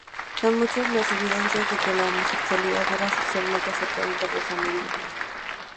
Son muchas las evidencias de que la homosexualidad era socialmente aceptada entre los amerindios.